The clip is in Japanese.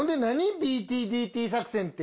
ＢＴＤＴ作戦って。